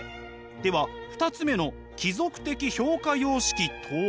では２つ目の貴族的評価様式とは？